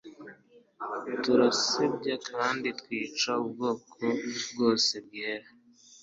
Turasebya kandi twica ubwoko bwose bwera